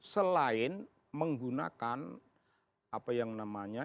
selain menggunakan apa yang namanya